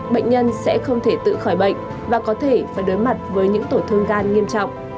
bệnh nhân sẽ không thể tự khỏi bệnh và có thể phải đối mặt với những tổn thương gan nghiêm trọng